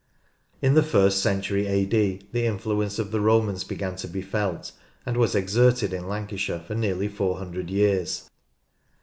In the first century a.d. the influence of the Romans began to be felt, and was exerted in Lancashire for nearly four hundred years.